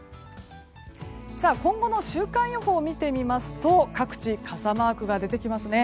今後の週間予報を見てみますと各地、傘マークが出てきますね。